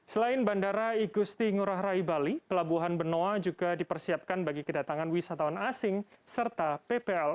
selain bandara igusti ngurah rai bali pelabuhan benoa juga dipersiapkan bagi kedatangan wisatawan asing serta ppln